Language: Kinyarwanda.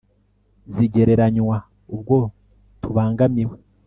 zigereranywa, ubwo tubangamiwe